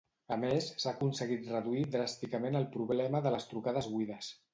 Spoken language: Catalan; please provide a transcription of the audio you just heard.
A més, s'ha aconseguit reduir dràsticament el problema de les trucades buides.